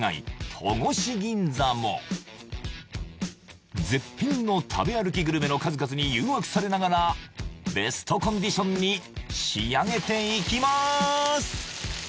戸越銀座も絶品の食べ歩きグルメの数々に誘惑されながらベストコンディションに仕上げていきます